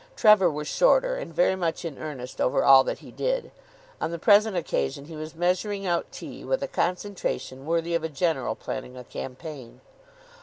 Trevor was shorter, and very much in earnest over all that he did. On the present occasion he was measuring out tea with a concentration worthy of a general planning a campaign.